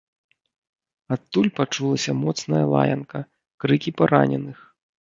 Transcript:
Адтуль пачулася моцная лаянка, крыкі параненых.